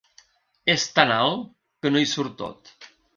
És tan alt que no hi surt tot.